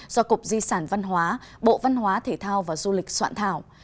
do cục di sản văn hóa bộ văn hóa thể thao và du lịch soạn thảo